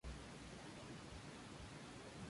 Este último sería el único enano en pisar Valinor.